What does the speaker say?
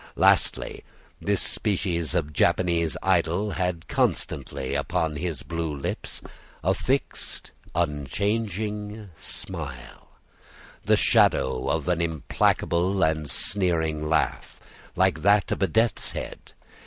Lastly, this species of Japanese idol had constantly upon his blue lips, a fixed, unchanging smile, the shadow of an implacable and sneering laugh, like that of a death's head.